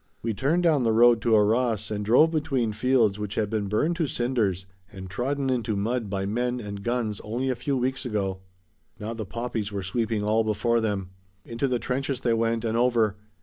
We turned down the road to Arras and drove between fields which had been burned to cinders and trodden into mud by men and guns only a few weeks ago. Now the poppies were sweeping all before them. Into the trenches they went and over.